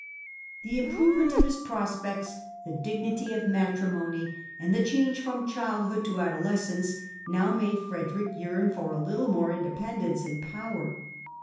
The improvement of his prospects, the dignity of matrimony and the change from childhood to adoles cence now made Frederick yearn for a little more inde pendence and power.